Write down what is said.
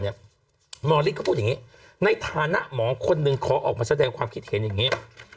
หมอฤทธิเขาพูดอย่างนี้ในฐานะหมอคนหนึ่งขอออกมาแสดงความคิดเห็นอย่างนี้